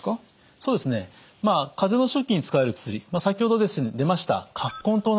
そうですねまあ風邪の初期に使える薬先ほど出ました根湯なんか特にそうですね。